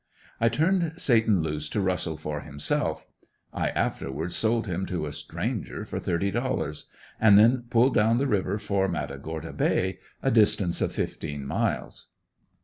I turned Satan loose to rustle for himself (I afterwards sold him to a stranger for thirty dollars) and then pulled down the river for Matagorda Bay, a distance of fifteen miles.